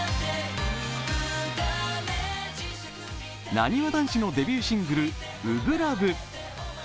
なにわ男子のデビューシングル、「初恋ＬＯＶＥ」。